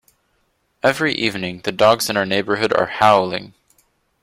Every evening, the dogs in our neighbourhood are howling.